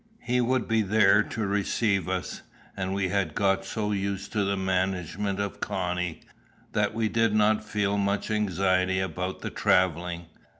He would be there to receive us, and we had got so used to the management of Connie, that we did not feel much anxiety about the travelling.